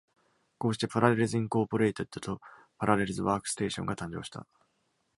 こうして、Parallels Incorporated と、Parallels Workstation が誕生した。